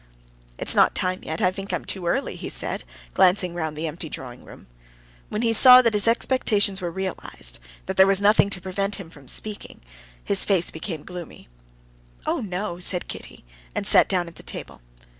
"It's not time yet; I think I'm too early," he said glancing round the empty drawing room. When he saw that his expectations were realized, that there was nothing to prevent him from speaking, his face became gloomy. "Oh, no," said Kitty, and sat down at the table.